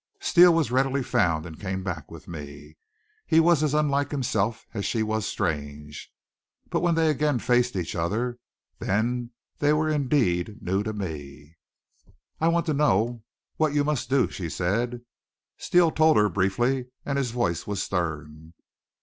Steele was readily found and came back with me. He was as unlike himself as she was strange. But when they again faced each other, then they were indeed new to me. "I want to know what you must do," she said. Steele told her briefly, and his voice was stern.